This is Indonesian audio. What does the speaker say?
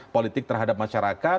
politik terhadap masyarakat